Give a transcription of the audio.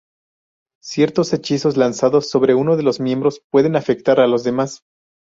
Ciertos hechizos lanzados sobre uno de los miembros pueden afectar a los demás.